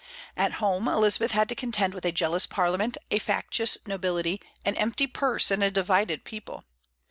At home, Elizabeth had to contend with a jealous Parliament, a factious nobility, an empty purse, and a divided people.